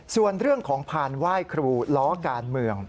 ส่วนเรื่องของพานไหว้ครูล้อการเมือง